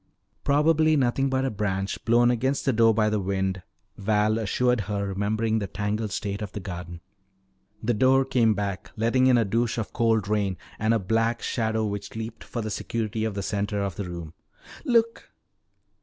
"Probably nothing but a branch blown against the door by the wind," Val assured her, remembering the tangled state of the garden. The door came back, letting in a douche of cold rain and a black shadow which leaped for the security of the center of the room. "Look!"